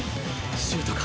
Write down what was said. シュートか？